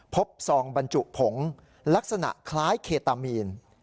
ซองบรรจุผงลักษณะคล้ายเคตามีน